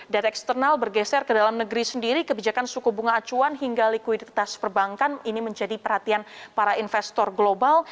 dari eksternal bergeser ke dalam negeri sendiri kebijakan suku bunga acuan hingga likuiditas perbankan ini menjadi perhatian para investor global